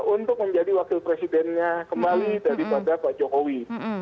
untuk menjadi wakil presidennya kembali daripada pak jokowi